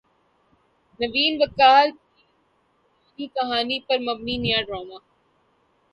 نوین وقار کا ڈرانی کہانی پر مبنی نیا ڈراما